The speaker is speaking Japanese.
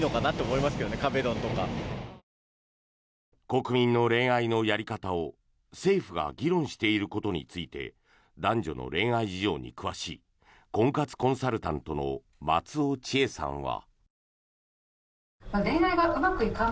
国民の恋愛のやり方を政府が議論していることについて男女の恋愛事情に詳しい婚活コンサルタントの松尾知枝さんは。